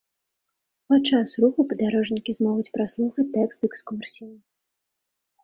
Падчас руху падарожнікі змогуць праслухаць тэкст экскурсіі.